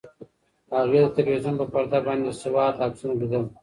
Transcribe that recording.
هغې د تلویزیون په پرده باندې د سوات عکسونه لیدل.